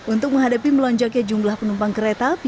untuk menghadapi melonjoknya jumlah penumpang kereta api